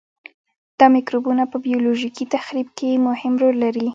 دا مکروبونه په بیولوژیکي تخریب کې مهم رول لري.